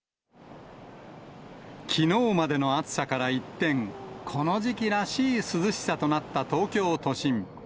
きのうまでの暑さから一転、この時期らしい涼しさとなった東京都心。